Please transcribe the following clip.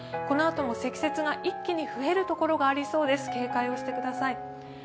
このあとも積雪が一気に増えるところがありそうです、警戒をしてください。